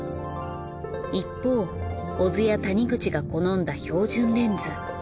一方小津や谷口が好んだ標準レンズ。